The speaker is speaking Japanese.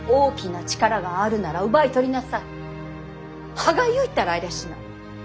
歯がゆいったらありゃしない。